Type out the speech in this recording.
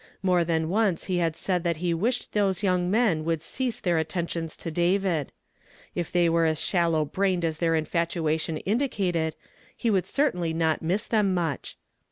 More than once he had said that he wished those young men would cease their atten tions to David; if they Avere as shallow l.raincd as their infatuation indicated, he would certainlv not miss them much.